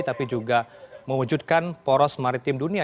tapi juga mewujudkan poros maritim dunia